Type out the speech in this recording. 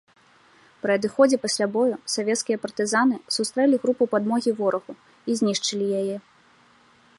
Пры адыходзе пасля бою савецкія партызаны сустрэлі групу падмогі ворагу і знішчылі яе.